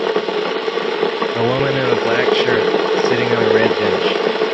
A woman in a black shirt sitting on a red bench.